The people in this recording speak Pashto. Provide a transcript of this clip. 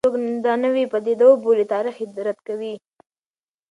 که څوک دا نوې پدیده وبولي، تاریخ یې رد کوي.